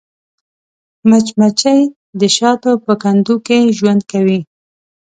مچمچۍ د شاتو په کندو کې ژوند کوي